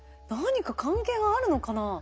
何か関係があるのかな？